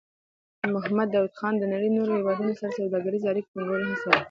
محمد داؤد خان د نړۍ نورو هېوادونو سره سوداګریزو اړیکو ټینګولو هڅه وکړه.